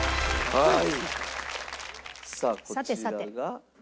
はい。